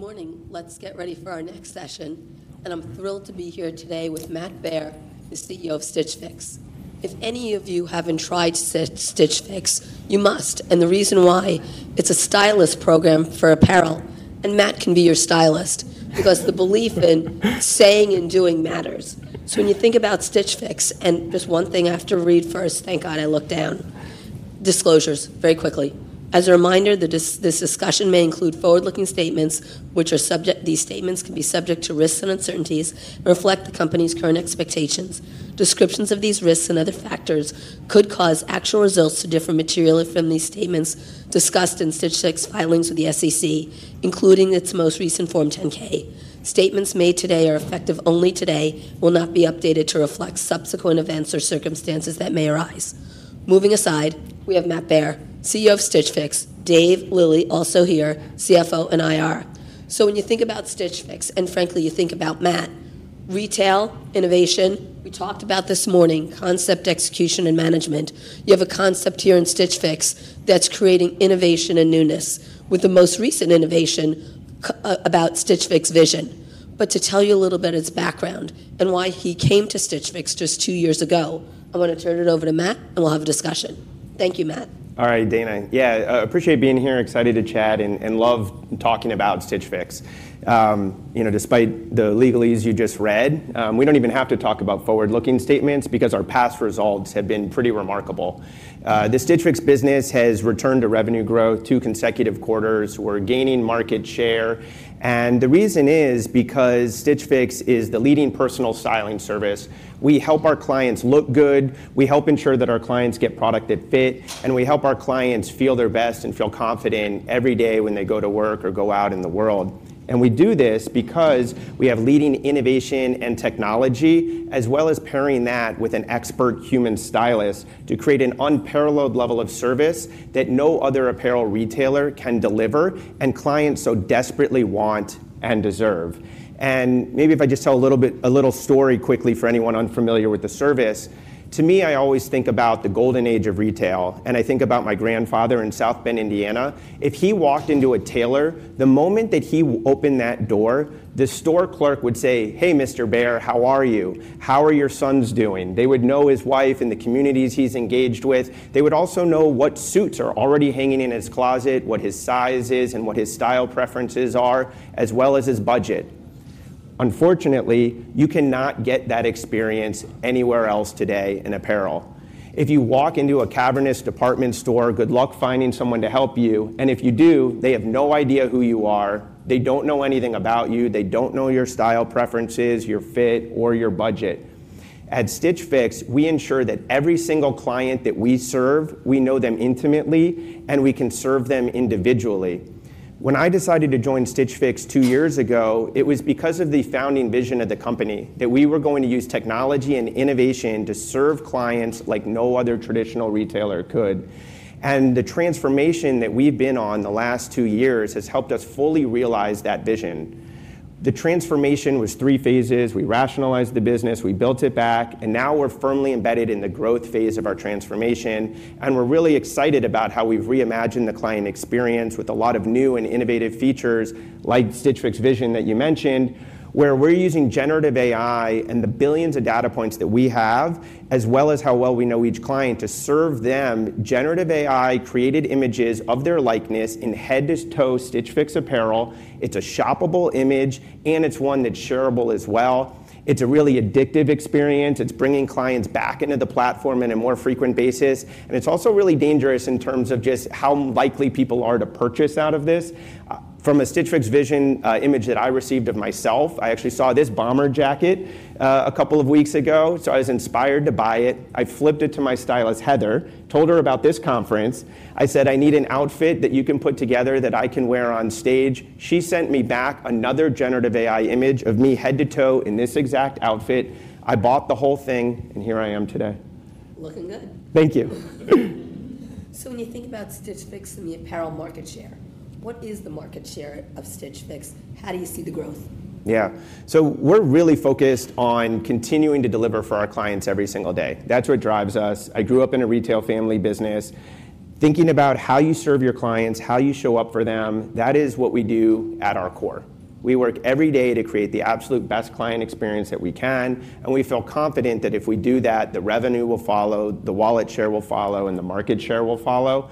Good morning. Let's get ready for our next session. I'm thrilled to be here today with Matt Baer, the CEO of Stitch Fix. If any of you haven't tried Stitch Fix, you must. The reason why? It's a stylist program for apparel. Matt can be your stylist because the belief in saying and doing matters. When you think about Stitch Fix, there's one thing I have to read first. Thank God I looked down. Disclosures very quickly. As a reminder, this discussion may include forward-looking statements, which are subject. These statements can be subject to risks and uncertainties and reflect the company's current expectations. Descriptions of these risks and other factors could cause actual results to differ materially from these statements discussed in Stitch Fix filings with the SEC, including its most recent Form 10-K. Statements made today are effective only today and will not be updated to reflect subsequent events or circumstances that may arise. Moving aside, we have Matt Baer, CEO of Stitch Fix, Dave, Lilly, also here, CFO and IR. When you think about Stitch Fix, and frankly, you think about Matt, retail innovation, we talked about this morning, concept execution and management. You have a concept here in Stitch Fix that's creating innovation and newness with the most recent innovation about Stitch Fix Vision. To tell you a little bit of his background and why he came to Stitch Fix just two years ago, I'm going to turn it over to Matt, and we'll have a discussion. Thank you, Matt. All right, Dana. I appreciate being here. Excited to chat and love talking about Stitch Fix. Despite the legalese you just read, we don't even have to talk about forward-looking statements because our past results have been pretty remarkable. The Stitch Fix business has returned to revenue growth. Two consecutive quarters, we're gaining market share. The reason is because Stitch Fix is the leading personal styling service. We help our clients look good. We help ensure that our clients get product that fits, and we help our clients feel their best and feel confident every day when they go to work or go out in the world. We do this because we have leading innovation and technology, as well as pairing that with an expert human stylist to create an unparalleled level of service that no other apparel retailer can deliver and clients so desperately want and deserve. Maybe if I just tell a little bit of a little story quickly for anyone unfamiliar with the service, to me, I always think about the golden age of retail. I think about my grandfather in South Bend, Indiana. If he walked into a tailor, the moment that he opened that door, the store clerk would say, "Hey, Mr. Baer, how are you? How are your sons doing?" They would know his wife and the communities he's engaged with. They would also know what suits are already hanging in his closet, what his size is, and what his style preferences are, as well as his budget. Unfortunately, you cannot get that experience anywhere else today in apparel. If you walk into a cavernous department store, good luck finding someone to help you. If you do, they have no idea who you are. They don't know anything about you. They don't know your style preferences, your fit, or your budget. At Stitch Fix, we ensure that every single client that we serve, we know them intimately, and we can serve them individually. When I decided to join Stitch Fix two years ago, it was because of the founding vision of the company that we were going to use technology and innovation to serve clients like no other traditional retailer could. The transformation that we've been on the last two years has helped us fully realize that vision. The transformation was three phases. We rationalized the business, we built it back, and now we're firmly embedded in the growth phase of our transformation. We are really excited about how we've reimagined the client experience with a lot of new and innovative features, like Stitch Fix Vision that you mentioned, where we're using generative AI and the billions of data points that we have, as well as how well we know each client to serve them. Generative AI created images of their likeness in head-to-toe Stitch Fix apparel. It's a shoppable image, and it's one that's shareable as well. It's a really addictive experience. It's bringing clients back into the platform on a more frequent basis. It's also really dangerous in terms of just how likely people are to purchase out of this. From a Stitch Fix Vision image that I received of myself, I actually saw this bomber jacket a couple of weeks ago. I was inspired to buy it. I flipped it to my stylist, Heather, told her about this conference. I said, "I need an outfit that you can put together that I can wear on stage." She sent me back another generative AI image of me head-to-toe in this exact outfit. I bought the whole thing, and here I am today. Looking good. Thank you. When you think about Stitch Fix and the apparel market share, what is the market share of Stitch Fix? How do you see the growth? Yeah, we are really focused on continuing to deliver for our clients every single day. That's what drives us. I grew up in a retail family business. Thinking about how you serve your clients, how you show up for them, that is what we do at our core. We work every day to create the absolute best client experience that we can. We feel confident that if we do that, the revenue will follow, the wallet share will follow, and the market share will follow.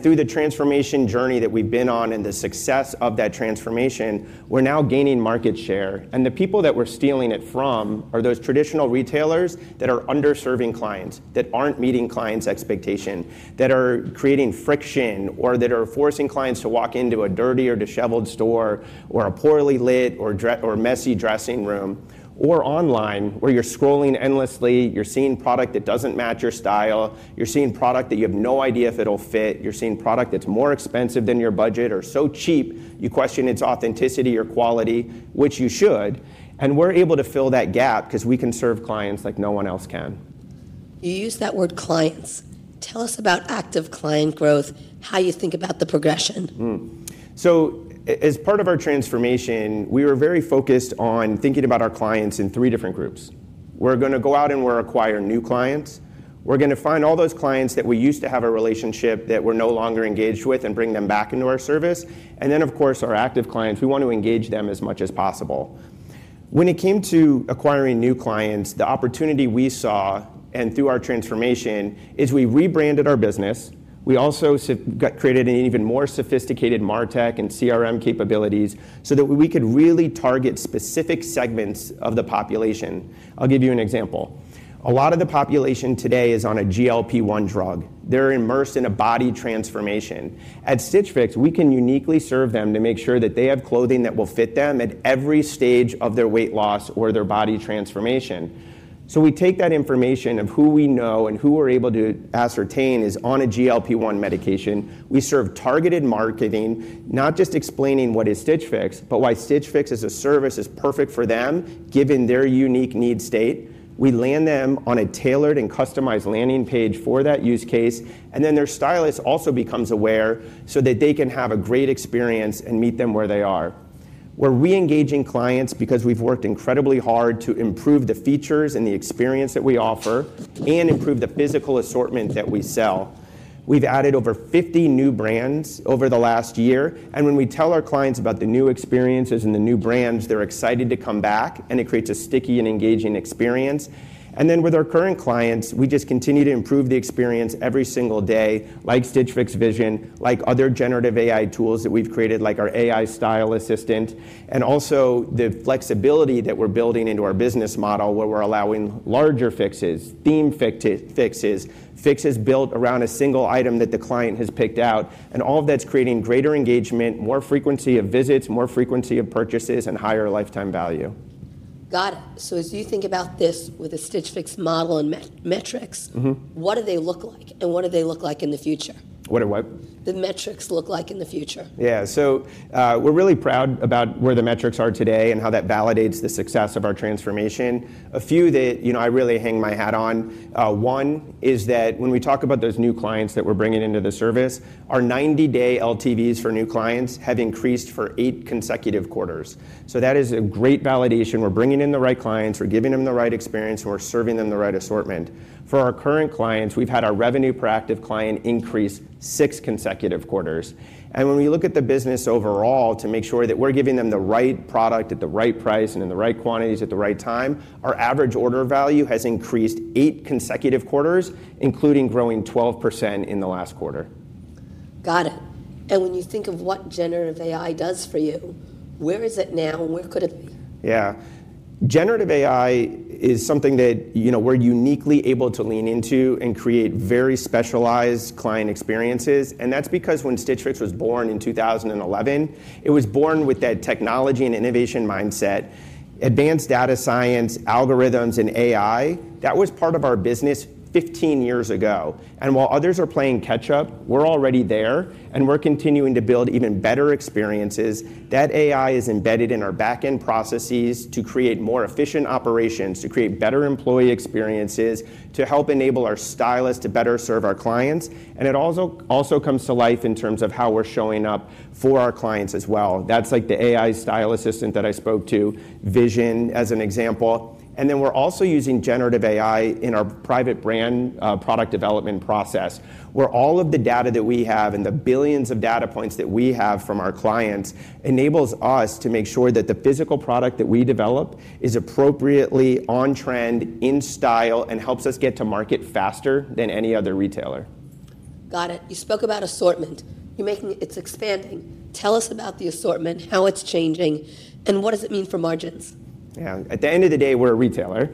Through the transformation journey that we've been on and the success of that transformation, we are now gaining market share. The people that we are stealing it from are those traditional retailers that are underserving clients, that aren't meeting clients' expectations, that are creating friction, or that are forcing clients to walk into a dirty or disheveled store, or a poorly lit or messy dressing room, or online, where you're scrolling endlessly. You're seeing product that doesn't match your style. You're seeing product that you have no idea if it'll fit. You're seeing product that's more expensive than your budget or so cheap you question its authenticity or quality, which you should. We are able to fill that gap because we can serve clients like no one else can. You use that word clients. Tell us about active client growth, how you think about the progression. As part of our transformation, we were very focused on thinking about our clients in three different groups. We are going to go out and we are going to acquire new clients. We are going to find all those clients that we used to have a relationship with that are no longer engaged with us and bring them back into our service. Of course, our active clients, we want to engage them as much as possible. When it came to acquiring new clients, the opportunity we saw through our transformation is we rebranded our business. We also created even more sophisticated martech and CRM capabilities so that we could really target specific segments of the population. I'll give you an example. A lot of the population today is on a GLP-1 drug. They are immersed in a body transformation. At Stitch Fix, we can uniquely serve them to make sure that they have clothing that will fit them at every stage of their weight loss or their body transformation. We take that information of who we know and who we are able to ascertain is on a GLP-1 medication. We serve targeted marketing, not just explaining what is Stitch Fix, but why Stitch Fix as a service is perfect for them, given their unique need state. We land them on a tailored and customized landing page for that use case. Their stylist also becomes aware so that they can have a great experience and meet them where they are. We are reengaging clients because we have worked incredibly hard to improve the features and the experience that we offer and improve the physical assortment that we sell. We have added over 50 new brands over the last year. When we tell our clients about the new experiences and the new brands, they are excited to come back, and it creates a sticky and engaging experience. With our current clients, we just continue to improve the experience every single day, like Stitch Fix Vision, like other generative AI tools that we have created, like our AI style assistant, and also the flexibility that we are building into our business model where we are allowing larger fixes, theme fixes, fixes built around a single item that the client has picked out. All of that is creating greater engagement, more frequency of visits, more frequency of purchases, and higher lifetime value. Got it. As you think about this with a Stitch Fix model and metrics, what do they look like? What do they look like in the future? What do what? The metrics look like in the future. Yeah, so we're really proud about where the metrics are today and how that validates the success of our transformation. A few that I really hang my hat on. One is that when we talk about those new clients that we're bringing into the service, our 90-day lifetime values for new clients have increased for eight consecutive quarters. That is a great validation. We're bringing in the right clients, we're giving them the right experience, and we're serving them the right assortment. For our current clients, we've had our revenue per active client increase six consecutive quarters. When we look at the business overall to make sure that we're giving them the right product at the right price and in the right quantities at the right time, our average order value has increased eight consecutive quarters, including growing 12% in the last quarter. Got it. When you think of what generative AI does for you, where is it now? Yeah, generative AI is something that we're uniquely able to lean into and create very specialized client experiences. That's because when Stitch Fix was born in 2011, it was born with that technology and innovation mindset, advanced data science algorithms, and AI. That was part of our business 15 years ago. While others are playing catch-up, we're already there, and we're continuing to build even better experiences. That AI is embedded in our backend processes to create more efficient operations, to create better employee experiences, to help enable our stylists to better serve our clients. It also comes to life in terms of how we're showing up for our clients as well. That's like the AI style assistant that I spoke to, Stitch Fix Vision, as an example. We're also using generative AI in our private brand product development process, where all of the data that we have and the billions of data points that we have from our clients enable us to make sure that the physical product that we develop is appropriately on trend, in style, and helps us get to market faster than any other retailer. Got it. You spoke about assortment. You're making it expanding. Tell us about the assortment, how it's changing, and what does it mean for margins? Yeah, at the end of the day, we're a retailer.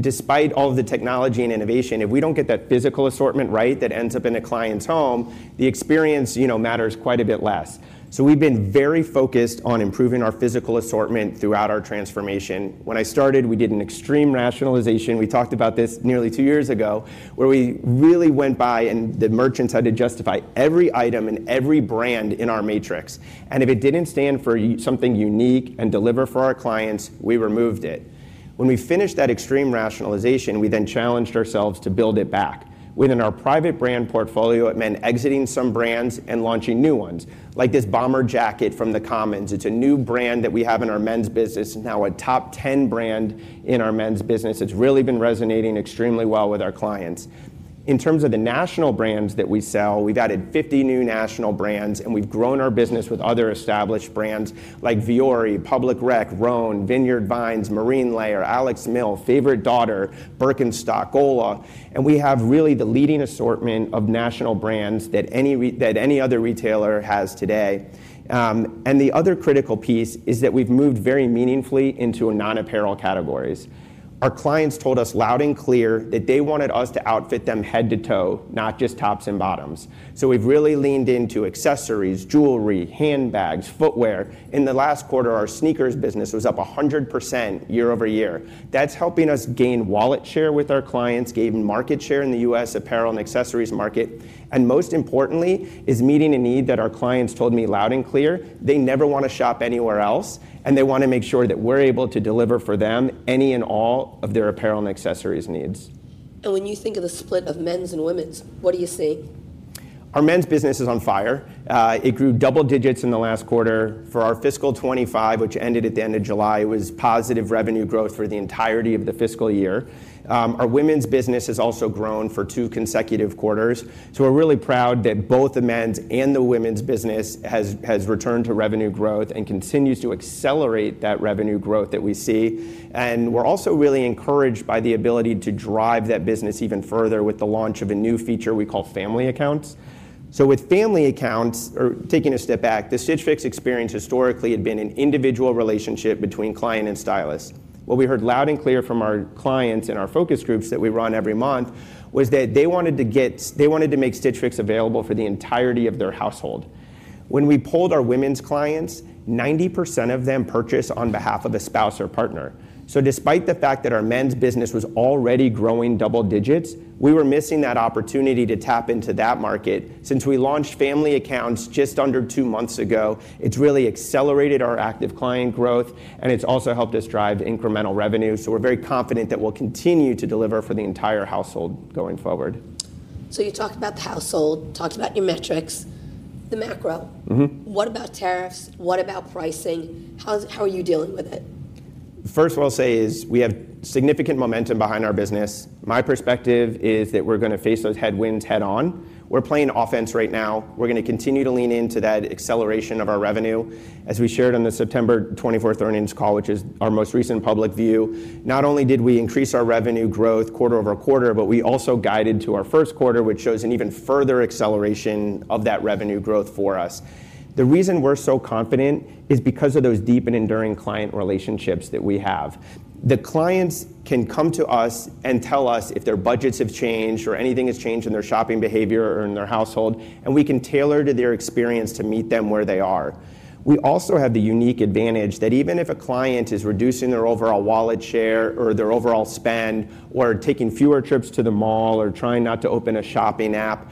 Despite all of the technology and innovation, if we don't get that physical assortment right that ends up in a client's home, the experience matters quite a bit less. We've been very focused on improving our physical assortment throughout our transformation. When I started, we did an extreme rationalization. We talked about this nearly two years ago, where we really went by and the merchants had to justify every item and every brand in our matrix. If it didn't stand for something unique and deliver for our clients, we removed it. When we finished that extreme rationalization, we then challenged ourselves to build it back. Within our private brand portfolio, it meant exiting some brands and launching new ones, like this bomber jacket from The Commons. It's a new brand that we have in our men's business, now a top 10 brand in our men's business. It's really been resonating extremely well with our clients. In terms of the national brands that we sell, we've added 50 new national brands, and we've grown our business with other established brands like Vuori, Public Rec, Rhone, Vineyard Vines, Marine Layer, Alex Mill, Favorite Daughter, Birkenstock, GOLA. We have really the leading assortment of national brands that any other retailer has today. The other critical piece is that we've moved very meaningfully into non-apparel categories. Our clients told us loud and clear that they wanted us to outfit them head to toe, not just tops and bottoms. We've really leaned into accessories, jewelry, handbags, footwear. In the last quarter, our sneakers business was up 100% year-over-year. That's helping us gain wallet share with our clients, gain market share in the U.S. apparel and accessories market. Most importantly, it is meeting a need that our clients told me loud and clear. They never want to shop anywhere else, and they want to make sure that we're able to deliver for them any and all of their apparel and accessories needs. When you think of the split of men's and women's, what are you seeing? Our men's business is on fire. It grew double digits in the last quarter. For our fiscal 2025, which ended at the end of July, it was positive revenue growth for the entirety of the fiscal year. Our women's business has also grown for two consecutive quarters. We are really proud that both the men's and the women's business has returned to revenue growth and continues to accelerate that revenue growth that we see. We are also really encouraged by the ability to drive that business even further with the launch of a new feature we call Family Accounts. With Family Accounts, or taking a step back, the Stitch Fix experience historically had been an individual relationship between client and stylist. What we heard loud and clear from our clients in our focus groups that we run every month was that they wanted to make Stitch Fix available for the entirety of their household. When we polled our women's clients, 90% of them purchased on behalf of a spouse or partner. Despite the fact that our men's business was already growing double digits, we were missing that opportunity to tap into that market. Since we launched Family Accounts just under two months ago, it has really accelerated our active client growth, and it has also helped us drive incremental revenue. We are very confident that we will continue to deliver for the entire household going forward. You talked about the household, talked about your metrics, the macro. What about tariffs? What about pricing? How are you dealing with it? First of all, I'll say we have significant momentum behind our business. My perspective is that we're going to face those headwinds head-on. We're playing offense right now. We're going to continue to lean into that acceleration of our revenue. As we shared on the September 24th earnings call, which is our most recent public view, not only did we increase our revenue growth quarter-over-quarter, but we also guided to our first quarter, which shows an even further acceleration of that revenue growth for us. The reason we're so confident is because of those deep and enduring client relationships that we have. The clients can come to us and tell us if their budgets have changed or anything has changed in their shopping behavior or in their household, and we can tailor their experience to meet them where they are. We also have the unique advantage that even if a client is reducing their overall wallet share or their overall spend or taking fewer trips to the mall or trying not to open a shopping app,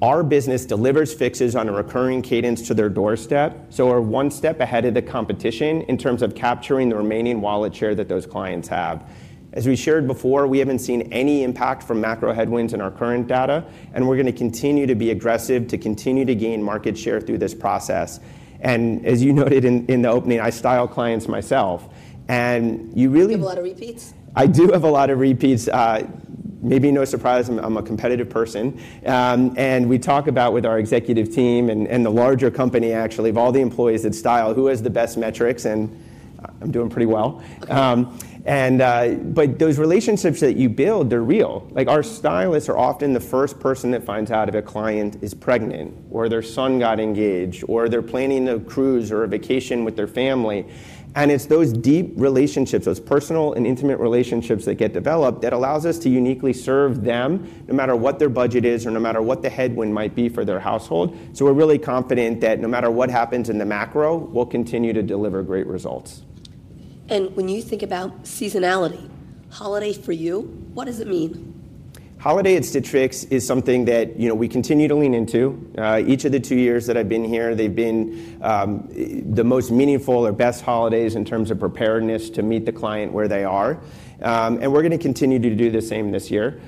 our business delivers fixes on a recurring cadence to their doorstep. We are one step ahead of the competition in terms of capturing the remaining wallet share that those clients have. As we shared before, we haven't seen any impact from macroeconomic headwinds in our current data, and we're going to continue to be aggressive to continue to gain market share through this process. As you noted in the opening, I style clients myself. You really. You have a lot of repeats. I do have a lot of repeats. Maybe no surprise, I'm a competitive person. We talk about with our executive team and the larger company, actually, of all the employees that style, who has the best metrics, and I'm doing pretty well. Those relationships that you build, they're real. Our stylists are often the first person that finds out if a client is pregnant or their son got engaged or they're planning a cruise or a vacation with their family. It's those deep relationships, those personal and intimate relationships that get developed that allow us to uniquely serve them no matter what their budget is or no matter what the headwind might be for their household. We're really confident that no matter what happens in the macro, we'll continue to deliver great results. When you think about seasonality, holiday for you, what does it mean? Holiday at Stitch Fix is something that, you know, we continue to lean into. Each of the two years that I've been here, they've been the most meaningful or best holidays in terms of preparedness to meet the client where they are. We're going to continue to do the same this year.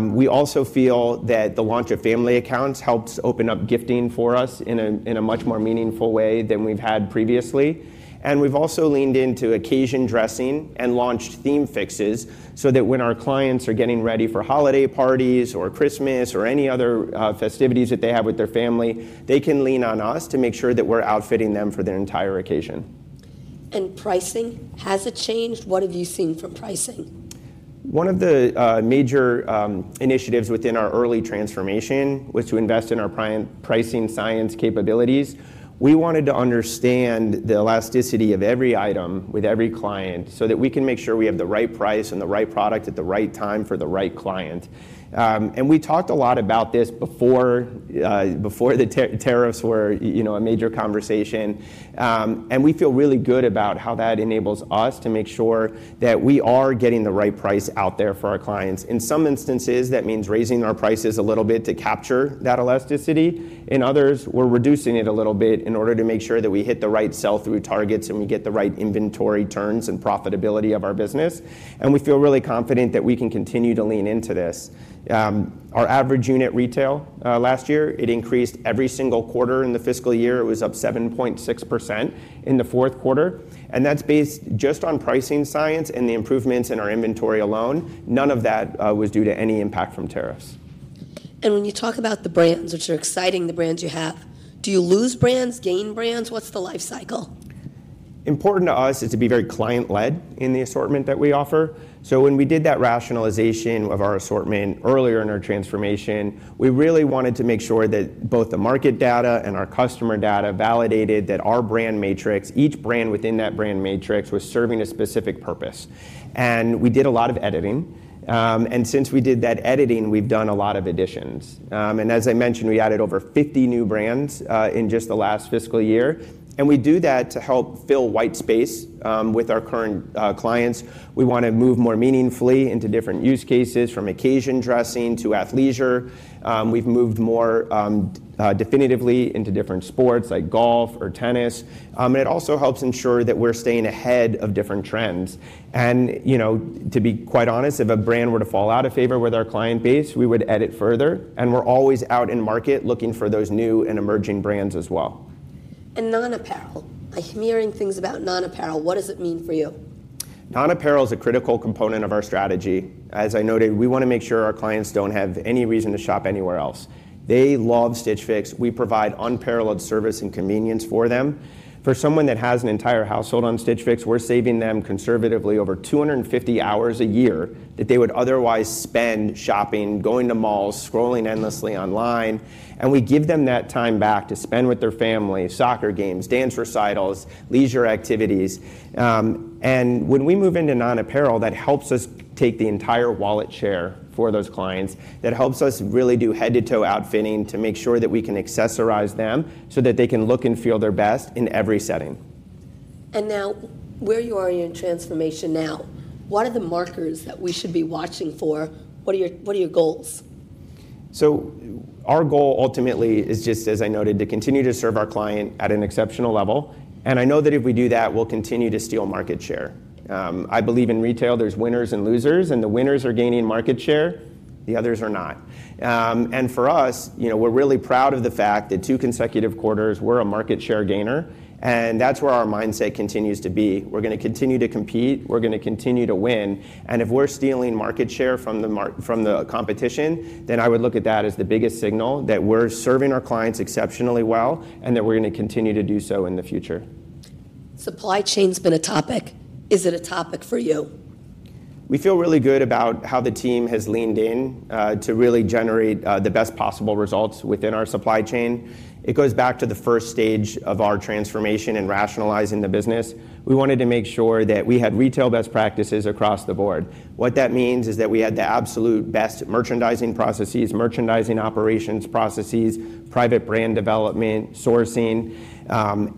We also feel that the launch of Family Accounts helps open up gifting for us in a much more meaningful way than we've had previously. We've also leaned into occasion dressing and launched theme fixes so that when our clients are getting ready for holiday parties or Christmas or any other festivities that they have with their family, they can lean on us to make sure that we're outfitting them for their entire occasion. Has pricing changed? What have you seen from pricing? One of the major initiatives within our early transformation was to invest in our pricing science capabilities. We wanted to understand the elasticity of every item with every client so that we can make sure we have the right price and the right product at the right time for the right client. We talked a lot about this before the tariffs were a major conversation. We feel really good about how that enables us to make sure that we are getting the right price out there for our clients. In some instances, that means raising our prices a little bit to capture that elasticity. In others, we're reducing it a little bit in order to make sure that we hit the right sell-through targets and we get the right inventory turns and profitability of our business. We feel really confident that we can continue to lean into this. Our average unit retail last year increased every single quarter in the fiscal year. It was up 7.6% in the fourth quarter. That's based just on pricing science and the improvements in our inventory alone. None of that was due to any impact from tariffs. When you talk about the brands that are exciting, the brands you have, do you lose brands, gain brands? What's the lifecycle? Important to us is to be very client-led in the assortment that we offer. When we did that rationalization of our assortment earlier in our transformation, we really wanted to make sure that both the market data and our customer data validated that our brand matrix, each brand within that brand matrix, was serving a specific purpose. We did a lot of editing. Since we did that editing, we've done a lot of additions. As I mentioned, we added over 50 new brands in just the last fiscal year. We do that to help fill white space with our current clients. We want to move more meaningfully into different use cases, from occasion dressing to athleisure. We've moved more definitively into different sports, like golf or tennis. It also helps ensure that we're staying ahead of different trends. To be quite honest, if a brand were to fall out of favor with our client base, we would edit further. We're always out in market looking for those new and emerging brands as well. Non-apparel, like hearing things about non-apparel, what does it mean for you? Non-apparel is a critical component of our strategy. As I noted, we want to make sure our clients don't have any reason to shop anywhere else. They love Stitch Fix. We provide unparalleled service and convenience for them. For someone that has an entire household on Stitch Fix, we're saving them conservatively over 250 hours a year that they would otherwise spend shopping, going to malls, scrolling endlessly online. We give them that time back to spend with their family, soccer games, dance recitals, leisure activities. When we move into non-apparel, that helps us take the entire wallet share for those clients. That helps us really do head-to-toe outfitting to make sure that we can accessorize them so that they can look and feel their best in every setting. Where you are in your transformation now, what are the markers that we should be watching for? What are your goals? Our goal ultimately is just, as I noted, to continue to serve our client at an exceptional level. I know that if we do that, we'll continue to steal market share. I believe in retail, there's winners and losers, and the winners are gaining market share. The others are not. For us, we're really proud of the fact that for two consecutive quarters, we're a market share gainer. That's where our mindset continues to be. We're going to continue to compete. We're going to continue to win. If we're stealing market share from the competition, then I would look at that as the biggest signal that we're serving our clients exceptionally well and that we're going to continue to do so in the future. Supply chain's been a topic. Is it a topic for you? We feel really good about how the team has leaned in to really generate the best possible results within our supply chain. It goes back to the first stage of our transformation and rationalizing the business. We wanted to make sure that we had retail best practices across the board. What that means is that we had the absolute best merchandising processes, merchandising operations processes, private brand product development, sourcing.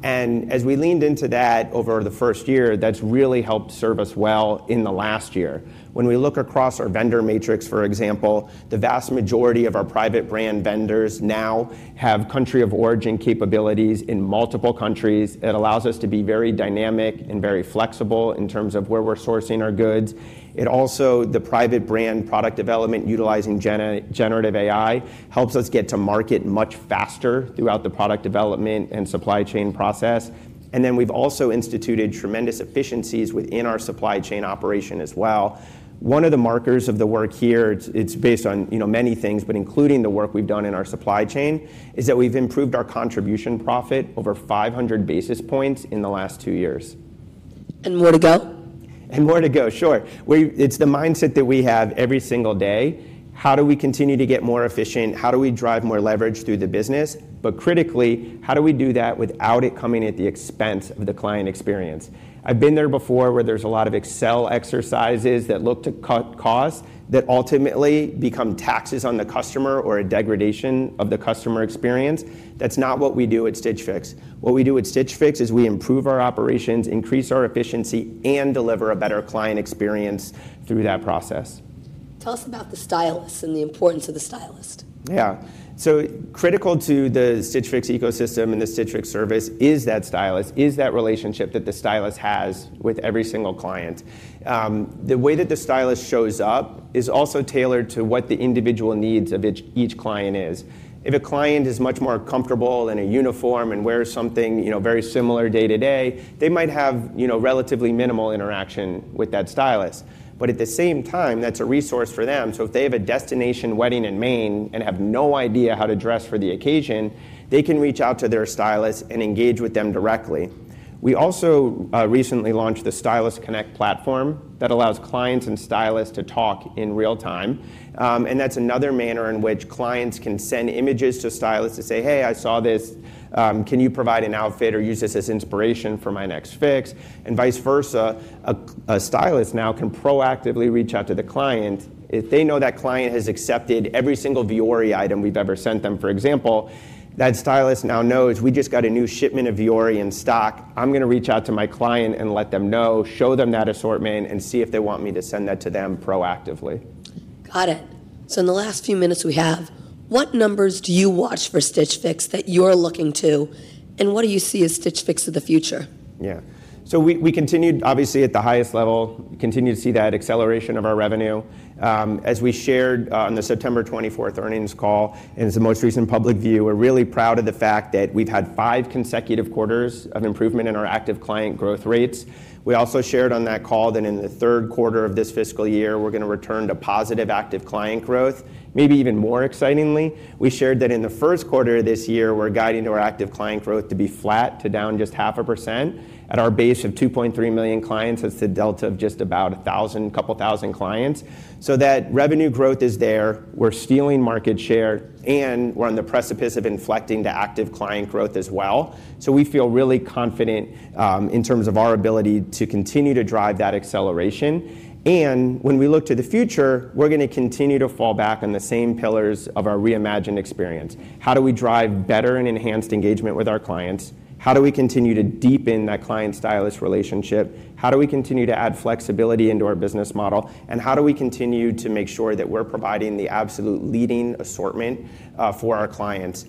As we leaned into that over the first year, that's really helped serve us well in the last year. When we look across our vendor matrix, for example, the vast majority of our private brand vendors now have country of origin capabilities in multiple countries. It allows us to be very dynamic and very flexible in terms of where we're sourcing our goods. The private brand product development utilizing generative AI helps us get to market much faster throughout the product development and supply chain process. We've also instituted tremendous efficiencies within our supply chain operation as well. One of the markers of the work here, it's based on many things, including the work we've done in our supply chain, is that we've improved our contribution profit over 500 basis points in the last two years. More to go. It's the mindset that we have every single day. How do we continue to get more efficient? How do we drive more leverage through the business? Critically, how do we do that without it coming at the expense of the client experience? I've been there before where there's a lot of Excel exercises that look to cut costs that ultimately become taxes on the customer or a degradation of the customer experience. That's not what we do at Stitch Fix. What we do at Stitch Fix is we improve our operations, increase our efficiency, and deliver a better client experience through that process. Tell us about the stylist and the importance of the stylist. Yeah, so critical to the Stitch Fix ecosystem and the Stitch Fix service is that stylist, is that relationship that the stylist has with every single client. The way that the stylist shows up is also tailored to what the individual needs of each client is. If a client is much more comfortable in a uniform and wears something, you know, very similar day to day, they might have, you know, relatively minimal interaction with that stylist. At the same time, that's a resource for them. If they have a destination wedding in Maine and have no idea how to dress for the occasion, they can reach out to their stylist and engage with them directly. We also recently launched the Stylist Connect platform that allows clients and stylists to talk in real time. That's another manner in which clients can send images to stylists to say, "Hey, I saw this. Can you provide an outfit or use this as inspiration for my next fix?" Vice versa, a stylist now can proactively reach out to the client. If they know that client has accepted every single Vuori item we've ever sent them, for example, that stylist now knows, "We just got a new shipment of Vuori in stock. I'm going to reach out to my client and let them know, show them that assortment, and see if they want me to send that to them proactively. Got it. In the last few minutes we have, what numbers do you watch for Stitch Fix that you're looking to? What do you see as Stitch Fix of the future? Yeah, we continued, obviously, at the highest level, continue to see that acceleration of our revenue. As we shared on the September 24th earnings call and the most recent public view, we're really proud of the fact that we've had five consecutive quarters of improvement in our active client growth rates. We also shared on that call that in the third quarter of this fiscal year, we're going to return to positive active client growth. Maybe even more excitingly, we shared that in the first quarter of this year, we're guiding our active client growth to be flat to down just 0.5% at our base of 2.3 million clients. That's the delta of just about a thousand, a couple thousand clients. That revenue growth is there. We're stealing market share, and we're on the precipice of inflecting to active client growth as well. We feel really confident in terms of our ability to continue to drive that acceleration. When we look to the future, we're going to continue to fall back on the same pillars of our reimagined experience. How do we drive better and enhanced engagement with our clients? How do we continue to deepen that client-stylist relationship? How do we continue to add flexibility into our business model? How do we continue to make sure that we're providing the absolute leading assortment for our clients?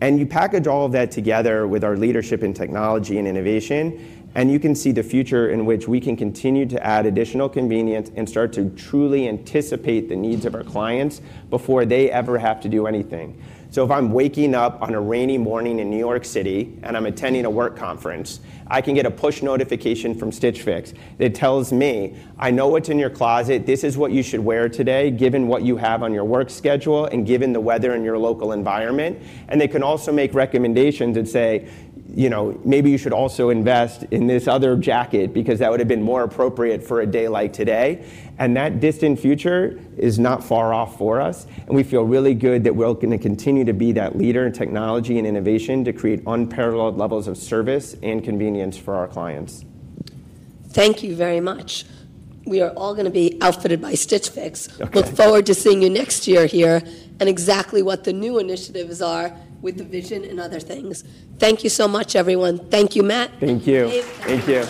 You package all of that together with our leadership in technology and innovation, and you can see the future in which we can continue to add additional convenience and start to truly anticipate the needs of our clients before they ever have to do anything. If I'm waking up on a rainy morning in New York City and I'm attending a work conference, I can get a push notification from Stitch Fix that tells me, "I know what's in your closet. This is what you should wear today, given what you have on your work schedule and given the weather in your local environment." They can also make recommendations and say, "You know, maybe you should also invest in this other jacket because that would have been more appropriate for a day like today." That distant future is not far off for us. We feel really good that we're going to continue to be that leader in technology and innovation to create unparalleled levels of service and convenience for our clients. Thank you very much. We are all going to be outfitted by Stitch Fix. Look forward to seeing you next year here and exactly what the new initiatives are with the Vision and other things. Thank you so much, everyone. Thank you, Matt. Thank you. Thank you.